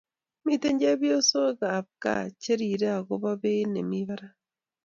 mito chepyosok ab kaa che rirei akoba beit ne mii parak